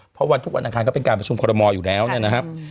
เพราะวันทุกวันอังคารก็เป็นการประชุมคอรมอลอยู่แล้วเนี่ยนะครับ